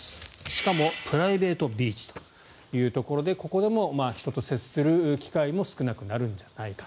しかもプライベートビーチというところで人と接する機会も少なくなるんじゃないか。